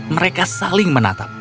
mereka saling menatap